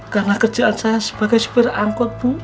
karena kerjaan saya sebagai super anggot bu